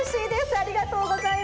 ありがとうございます。